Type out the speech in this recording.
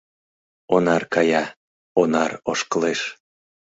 Онар кая, Онар ошкылеш